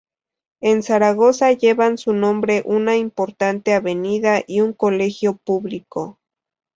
En Zaragoza llevan su nombre una importante avenida y un Colegio Público.